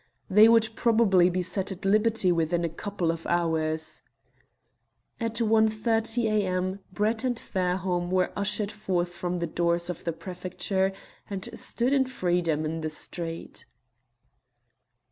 They would probably be set at liberty within a couple of hours. At 1.30 a.m. Brett and Fairholme were ushered forth from the doors of the prefecture and stood in freedom in the street.